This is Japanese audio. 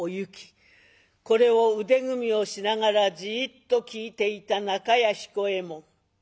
これを腕組みをしながらじっと聞いていた中屋彦右衛門。